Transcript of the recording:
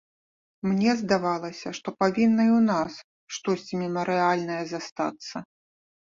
Мне здавалася, што павінна і ў нас штосьці мемарыяльнае застацца.